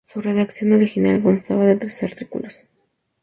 Su redacción original constaba de tres artículos.